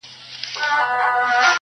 قاسم یار بایللی هوښ زاهد تسبې دي,